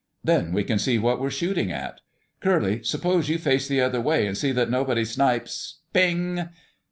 Then we can see what we're shooting at. Curly, suppose you face the other way and see that nobody snipes—" PING!